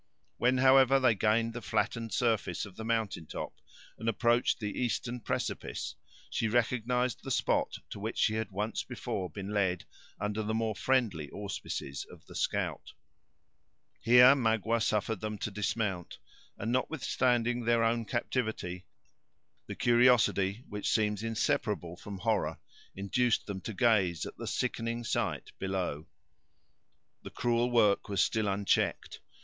When, however, they gained the flattened surface of the mountain top, and approached the eastern precipice, she recognized the spot to which she had once before been led under the more friendly auspices of the scout. Here Magua suffered them to dismount; and notwithstanding their own captivity, the curiosity which seems inseparable from horror, induced them to gaze at the sickening sight below. The cruel work was still unchecked.